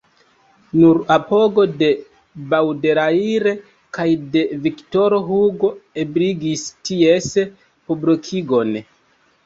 Nur apogo de Baudelaire kaj de Viktoro Hugo ebligis ties publikigon.